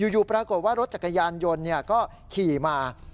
อยู่ปรากฏว่ารถจักรยานยนต์ก็ขี่มา